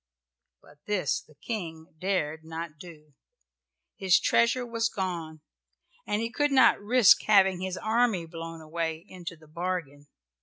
But this the King dared not do. His treasure was gone and he could not risk having his army blown away, into the bargain.